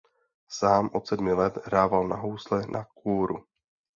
Sám od sedmi let hrával na housle na kůru.